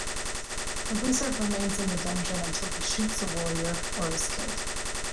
The Wizard remains in the dungeon until he shoots a Warrior or is killed.